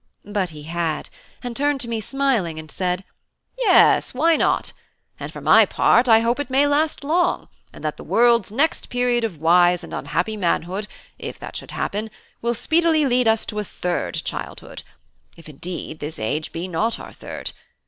But he had, and turned to me smiling, and said: "Yes, why not? And for my part, I hope it may last long; and that the world's next period of wise and unhappy manhood, if that should happen, will speedily lead us to a third childhood: if indeed this age be not our third.